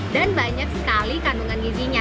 dan banyak sekali kandungan gizinya